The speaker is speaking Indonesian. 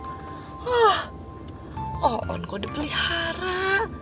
wah oon kau dipelihara